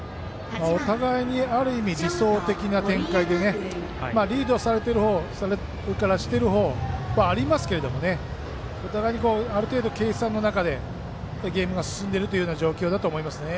お互いにある意味、理想的な展開でリードされている方、それからしている方ありますけどお互いにある程度、計算の中でゲームが進んでいる状況だと思います。